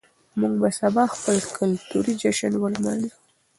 موږ به سبا خپل کلتوري جشن ولمانځو.